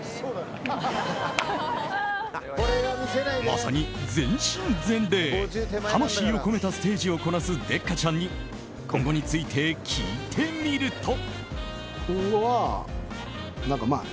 まさに全身全霊魂を込めたステージをこなすデッカチャンに今後について聞いてみると。